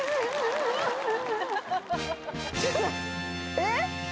えっ？